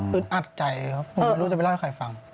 อัดใจครับผมไม่รู้จะไปเล่าให้ใครฟัง